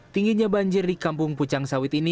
tingginya banjir di kampung pucang sawit ini